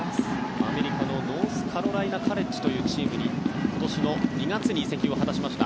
アメリカのノースカロライナ・カレッジというチームに今年２月に移籍を果たしました。